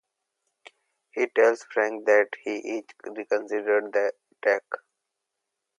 He tells Frank that he is reconsidering the attack.